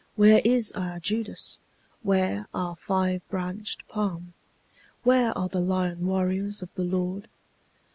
Where is our Judas? Where our five branched palm? Where are the lion warriors of the Lord?